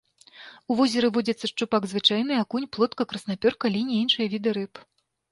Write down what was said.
У возеры водзяцца шчупак звычайны, акунь, плотка, краснапёрка, лінь і іншыя віды рыб.